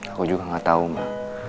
aku juga enggak tahu ma